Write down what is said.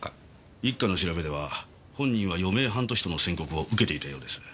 一課の調べでは本人は余命半年との宣告を受けていたようです。